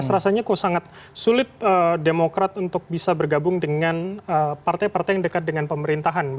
rasanya kok sangat sulit demokrat untuk bisa bergabung dengan partai partai yang dekat dengan pemerintahan